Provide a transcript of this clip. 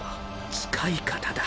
使い方だ。